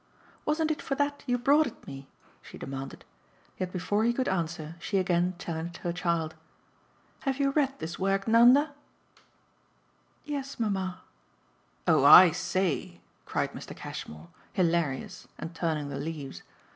"Wasn't it for that you brought it me?" she demanded. Yet before he could answer she again challenged her child. "Have you read this work, Nanda?" "Yes mamma." "Oh I say!" cried Mr. Cashmore, hilarious and turning the leaves.